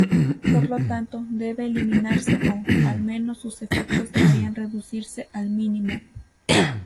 Por lo tanto, debe eliminarse o, al menos sus efectos deberían reducirse al mínimo.